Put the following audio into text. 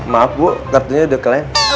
maaf bu kartunya udah keleng